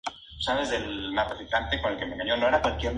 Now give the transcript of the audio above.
La campana se utiliza para llamar a los fieles a los servicios religiosos.